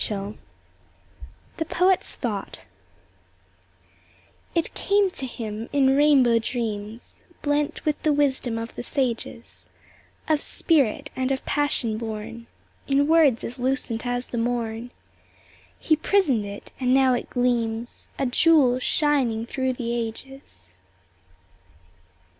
126 THE POETS THOUGHT It came to him in rainbow dreams, Blent with the wisdom of the sages, Of spirit and of passion born; In words as lucent as the morn He prisoned it, and now it gleams A jewel shining through the ages.